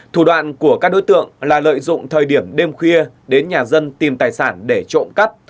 thủ đoạn của các đối tượng là lợi dụng thời điểm đêm khuya đến nhà dân tìm tài sản để trộm cắp